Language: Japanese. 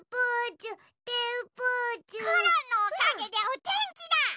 コロンのおかげでおてんきだ！